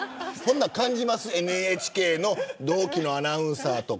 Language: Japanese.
ＮＨＫの同期のアナウンサーとか。